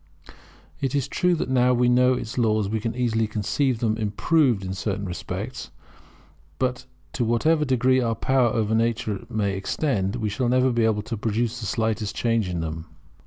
It is true that now that we know its laws we can easily conceive them improved in certain respects; but to whatever degree our power over nature may extend, we shall never be able to produce the slightest change in them.